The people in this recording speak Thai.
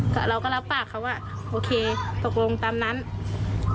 ก็เราก็รับปากเขาว่าโอเคตกลงตามนั้น